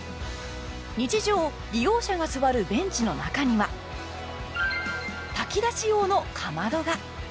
日常利用者が座るベンチの中には炊き出し用のかまどが。